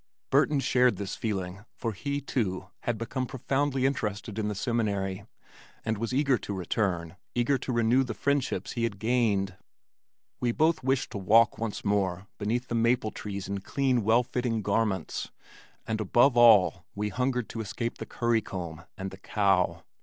Burton shared this feeling, for he, too, had become profoundly interested in the Seminary and was eager to return, eager to renew the friendships he had gained. We both wished to walk once more beneath the maple trees in clean well fitting garments, and above all we hungered to escape the curry comb and the cow.